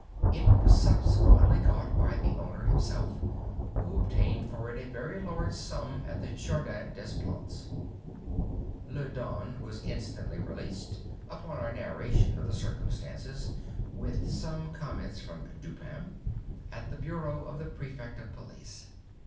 It was subsequently caught by the owner himself, who obtained for it a very large sum at the Jardin des Plantes. Le Don was instantly released, upon our narration of the circumstances (with some comments from Dupin) at the bureau of the Prefect of Police.